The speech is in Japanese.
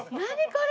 これ！